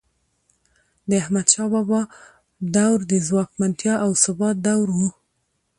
د احمدشاه بابا دور د ځواکمنتیا او ثبات دور و.